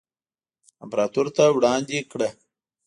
امپراتور ته وړاندې کړه.